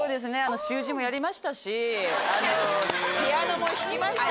習字もやりましたしピアノも弾きましたし。